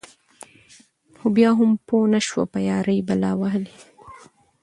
خو بيا هم پوهه نشوه په يــارۍ بلا وهــلې.